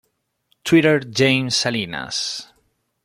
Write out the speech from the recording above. Twitter Jaime Salinas